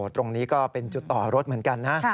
ตรงนี้ก็เป็นจุดต่อรถเหมือนกันนะ